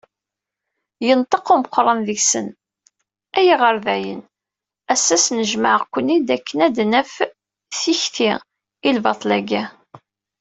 Yenṭeq umeqqran deg-sen: "Ay iɣerdayen, ass-a snejmaεeɣ-ken-id akken ad d-naf tikti i lbaṭel-agi"